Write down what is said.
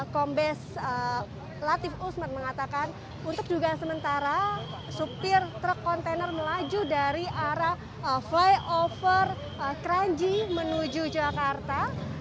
kombes latif usman mengatakan untuk juga sementara supir truk kontainer melaju dari arah flyover kranji menuju jakarta